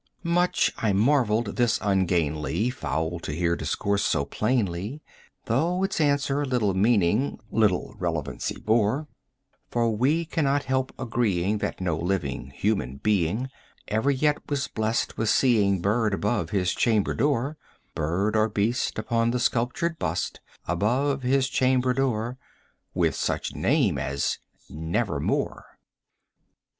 Much I marvelled this ungainly fowl to hear discourse so plainly, Though its answer little meaning little relevancy bore; 50 For we cannot help agreeing that no living human being Ever yet was blessed with seeing bird above his chamber door, Bird or beast upon the sculptured bust above his chamber door, With such name as "Nevermore."